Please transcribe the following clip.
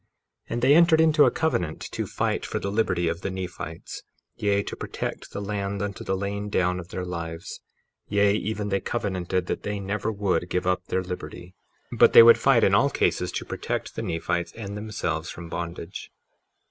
53:17 And they entered into a covenant to fight for the liberty of the Nephites, yea, to protect the land unto the laying down of their lives; yea, even they covenanted that they never would give up their liberty, but they would fight in all cases to protect the Nephites and themselves from bondage.